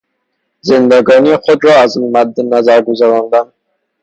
زندگانی خود را از مد نظر گذراندن